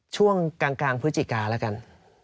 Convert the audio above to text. ช่วงกลางพฤศจิกาแล้วกัน